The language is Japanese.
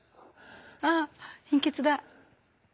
あっ貧血だ。